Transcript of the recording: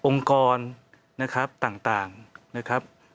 องค์กรนะครับต่างนะครับ